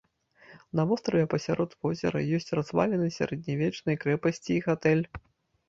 На востраве пасярод возера ёсць разваліны сярэднявечнай крэпасці і гатэль.